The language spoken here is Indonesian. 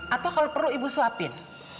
atau kalau perlu ibu suapin